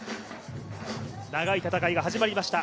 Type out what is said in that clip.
長い戦いが始まりました